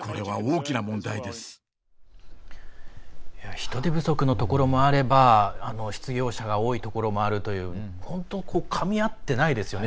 人手不足のところもあれば失業者が多いところもあるという本当、かみ合ってないですよね